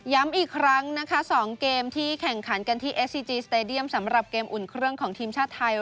อีกครั้งนะคะ๒เกมที่แข่งขันกันที่เอสซีจีสเตดียมสำหรับเกมอุ่นเครื่องของทีมชาติไทย